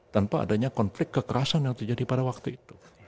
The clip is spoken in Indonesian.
tanpa adanya konflik kekerasan yang terjadi pada waktu itu